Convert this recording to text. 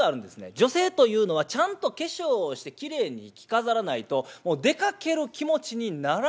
女性というのはちゃんと化粧をしてきれいに着飾らないと出かける気持ちにならないというそうです。